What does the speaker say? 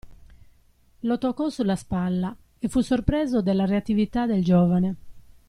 Lo toccò sulla spalla, e fu sorpreso della reattività del giovane.